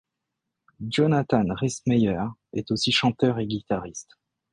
Jonathan Rhys Meyers est aussi chanteur et guitariste.